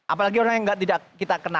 apalagi orang yang tidak kita kena